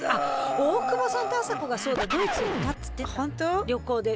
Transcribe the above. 大久保さんとあさこがそうだドイツ行ったっつってた旅行で。